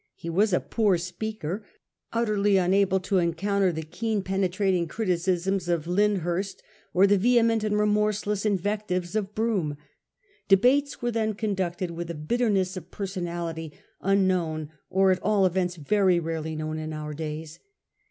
He was a poor speaker, utterly unable to encounter the keen penetrating criticisms of Lynd hurst or the vehement and remorseless invectives of Brougham. Debates were then conducted with a bitterness of personality unknown, or at all events very rarely known, in our days.